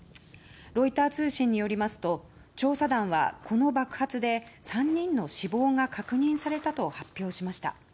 ロイター通信によりますと調査団は、この爆発で３人の死亡が確認されたと発表しました。